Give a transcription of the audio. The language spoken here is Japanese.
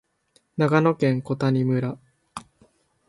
長野県小谷村